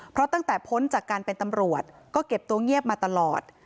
เพราะตั้งแต่พ้นจากการเป็นตำรวจก็เก็บตัวเงียบมาตลอด